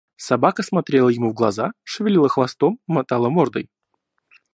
Собака смотрела ему в глаза, шевелила хвостом, мотала мордой.